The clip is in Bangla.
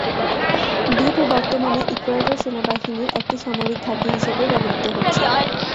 দ্বীপ বর্তমানে ইকুয়েডর সেনাবাহিনীর একটি সামরিক ঘাঁটি হিসেবে ব্যবহৃত হচ্ছে।